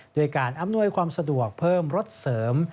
ด้วยการอำนวยความสะดวกเพิ่มรถเสริม